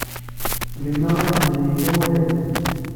Gma i tḥemmel yemma wala nekk.